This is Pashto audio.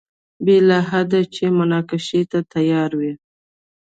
بې له دې چې مناقشې ته تیار وي.